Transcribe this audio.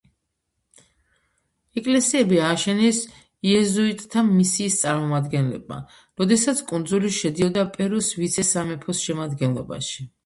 ეკლესიები ააშენეს იეზუიტთა მისიის წარმომადგენლებმა, როდესაც კუნძული შედიოდა პერუს ვიცე-სამეფოს შემადგენლობაში.